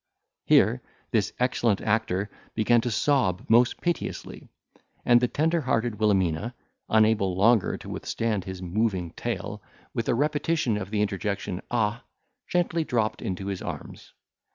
Here this excellent actor began to sob most piteously, and the tender hearted Wilhelmina, unable longer to withstand his moving tale, with a repetition of the interjection, ah! gently dropped into his arms.